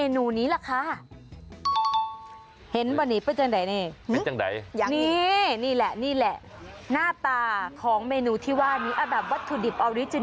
นี่แหละนี่แหละหน้าตาของเมนูที่ว่าหรือพาร้าอื่น